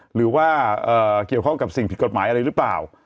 หรือว่าเกี่ยวข้องกับสิ่งผิดกฎหมายอะไรหรือเปล่า